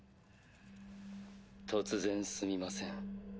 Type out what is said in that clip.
突然すみません。